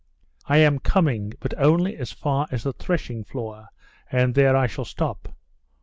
"I am coming, but only as far as the threshing floor, and there I shall stop."